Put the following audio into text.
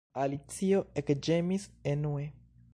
Alicio ekĝemis enue.